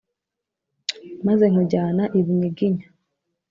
Maze nkujyana i Bunyiginya